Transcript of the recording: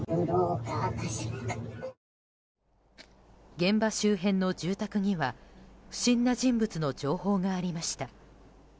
現場周辺の住宅には不審な人物の情報がありました。